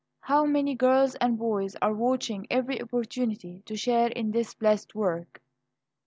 How many girls and boys are watching every opportunity to share in this blessed work?